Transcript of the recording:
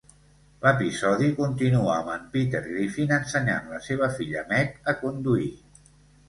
L'episodi continua amb en Peter Griffin ensenyant la seva filla Meg a conduir.